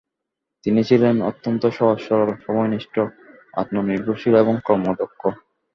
তিনি ছিলেন অত্যন্ত সহজ সরল, সময়নিষ্ঠ, আত্মনির্ভরশীল এবং কর্মদক্ষ।